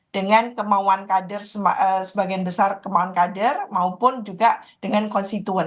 dengan kemauan kader sebagian besar kemauan kader maupun juga dengan konstituen